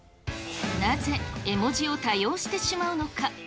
なぜ絵文字を多用してしまうのか。